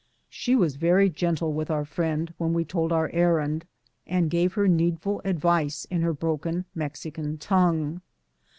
She was very gentle with our friend when we told our errand, and gave her needful advice in her broken Mexican tongue.